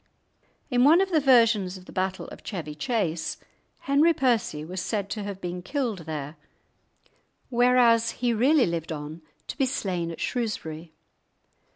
In one of the versions of the battle of Chevy Chase, Henry Percy was said to have been killed there, whereas he really lived on to be slain at Shrewsbury.